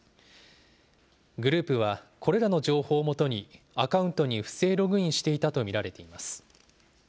グループはこれらの情報をもとに、アカウントに不正ログインしていたと見られています。